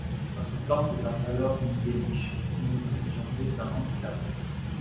Notre planque étant alors une péniche, nous ne pouvions décemment l’y garder.